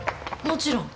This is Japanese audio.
もちろん。